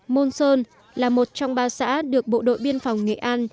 môn sơn là một trong ba xã được bộ đội biên phòng nghệ an